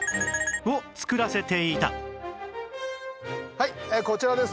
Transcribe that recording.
はいこちらです。